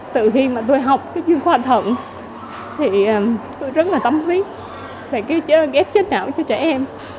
từ khi mà tôi học cái chuyên khoa anh thận thì tôi rất là tâm huyết về cái ghép chế não cho trẻ em